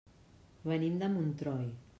Venim de Montroi.